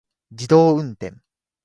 自動運転